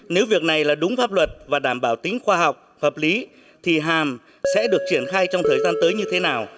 nếu việc này là đúng pháp luật và đảm bảo tính khoa học hợp lý thì hàm sẽ được triển khai trong thời gian tới như thế nào